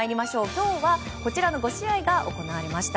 今日はこちらの５試合が行われました。